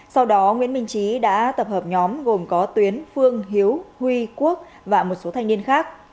sau đó nguyễn minh trí đã tập hợp nhóm gồm có tuyến phương hiếu huy quốc và một số thanh niên khác